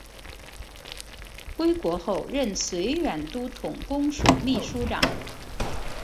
归国后任绥远都统公署秘书长。